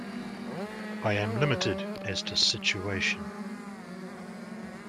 I am limited as to situation.